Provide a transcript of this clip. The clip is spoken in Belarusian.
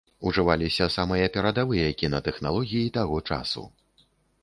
Ужываліся самыя перадавыя кінатэхналогіі таго часу.